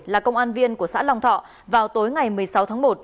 là công an viên của xã long thọ vào tối ngày một mươi sáu tháng một